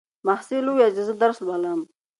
محصل وویل چې زه درس لولم.